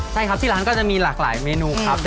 ใช่ครับที่ร้านก็จะมีหลากหลายเมนูครับ